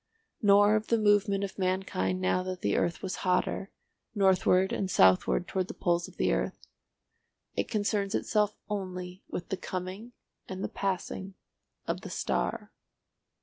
Nor of the movement of mankind now that the earth was hotter, northward and southward towards the poles of the earth. It concerns itself only with the coming and the passing of the Star.